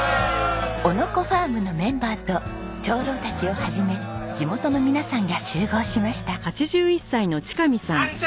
男ノ子ファームのメンバーと長老たちを始め地元の皆さんが集合しました。